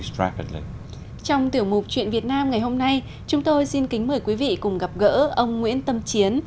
trong tiểu mục chuyện việt nam ngày hôm nay chúng tôi xin kính mời quý vị cùng gặp gỡ ông nguyễn tâm chiến